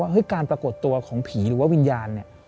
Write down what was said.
ว่าการปรากฏตัวของผีหรือว่าวิญญาณ